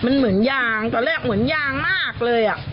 มันเหมือนยางตอนแรกเหมือนยางมากเลย